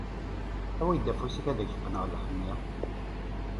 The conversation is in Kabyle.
Awi-d afus-ik, ad ak-neqqen lḥenni.